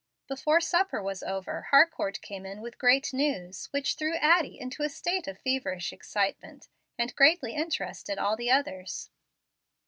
Before supper was over, Harcourt came in with great news, which threw Addie into a state of feverish excitement, and greatly interested all the others.